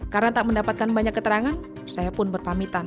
karena tak mendapatkan banyak keterangan saya pun berpamitan